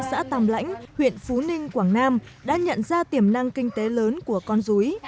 xã tàm lãnh huyện phú ninh quảng nam đã nhận ra tiềm năng kinh tế lớn của con rúi